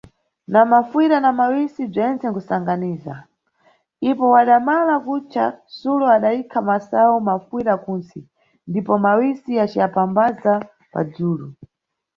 Na mafuyira na mawisi, bzense nʼkumbasangabiza, ipo wadamala kutca, Sulo adayikha masayu nafuyira kunsi, ndipo mawisi aciyapamphaza padzulu.